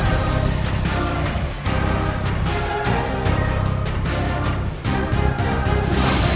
aku mampu memberhenti kekerasanmu